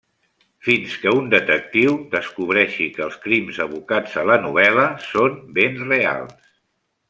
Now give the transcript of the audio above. Fins que un detectiu descobreixi que els crims evocats a la novel·la són ben reals.